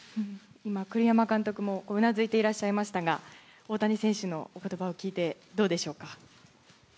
栗山監督もうなずいていらっしゃいましたが、大谷選手の言葉を聞いてどうでしょうか？